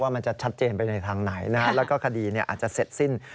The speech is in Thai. มันจะชัดเจนไปในทางไหนแล้วก็คดีอาจจะเสร็จสิ้น